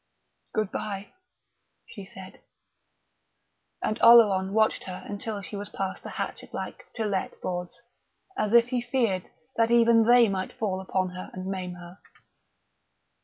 "Good bye," she said. And Oleron watched her until she was past the hatchet like "To Let" boards, as if he feared that even they might fall upon her and maim her.